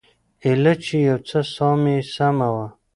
ايله چې يو څه ساه يې سمه وه.